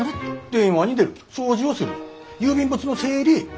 電話に出る掃除をする郵便物の整理。